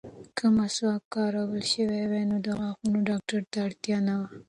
که مسواک کارول شوی وای، نو د غاښونو ډاکټر ته اړتیا نه وه.